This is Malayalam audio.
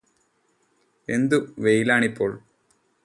എന്തു വെയിലാണിപ്പോൾ